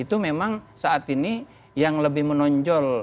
itu memang saat ini yang lebih menonjol